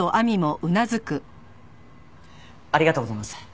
ありがとうございます。